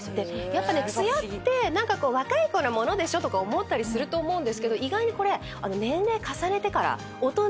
やっぱツヤって若い子のものでしょとか思ったりすると思うんですけど意外にこれ年齢重ねてから。